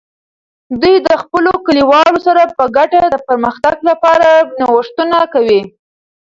دوی د خپلو کلیوالو سره په ګډه د پرمختګ لپاره نوښتونه کوي.